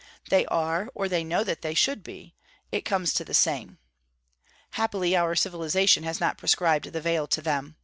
They are, or they know that they should be; it comes to the same. Happily our civilization has not prescribed the veil to them.